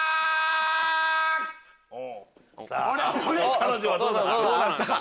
彼女はどうなった？